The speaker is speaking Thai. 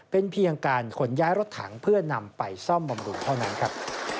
เป็นเพียงการขนย้ายรถถังเพื่อนำไปซ่อมบำรุงเท่านั้นครับ